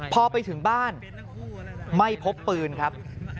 พอไปถึงบ้านไม่พบปืนครับ